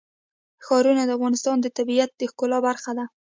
ښارونه د افغانستان د طبیعت د ښکلا برخه ده.